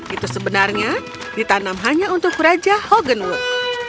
itu sebenarnya ditanam hanya untuk raja hoganwood